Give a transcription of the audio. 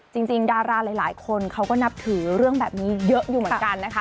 จริงดาราหลายคนเขาก็นับถือเรื่องแบบนี้เยอะอยู่เหมือนกันนะคะ